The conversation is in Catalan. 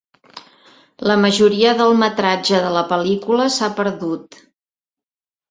La majoria del metratge de la pel·lícula s'ha perdut.